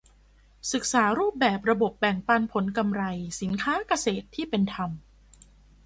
ศึกษารูปแบบระบบแบ่งปันผลกำไรสินค้าเกษตรที่เป็นธรรม